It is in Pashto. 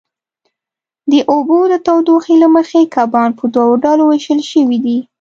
د اوبو د تودوخې له مخې کبان په دوو ډلو وېشل شوي دي.